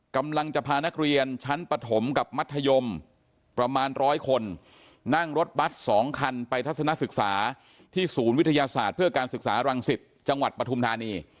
กำลังจะพานักเรียนชั้นปฐมกับมัธยมประมาณร้อยคนนั่งรถบัตร๒คันไปทัศนศึกษาที่ศูนย์วิทยาศาสตร์เพื่อการศึกษารังสิตจังหวัดปฐุมธานี